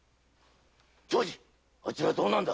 長次あいつらはどうなんだ？